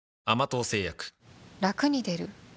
ラクに出る？